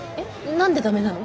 何でダメなの？